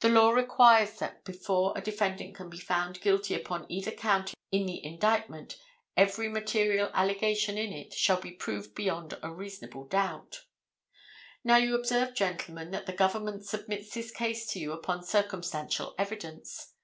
The law requires that before a defendant can be found guilty upon either count in the indictment every material allegation in it shall be proved beyond a reasonable doubt. Now you observe, gentlemen, that the government submits this case to you upon circumstantial evidence.